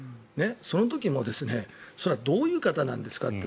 その時もそれはどういう方なんですかと。